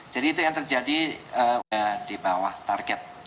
jadi itu yang terjadi di bawah target